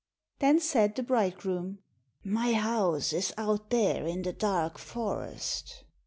Then said the bridegroom, "My house is out there in the dark forest."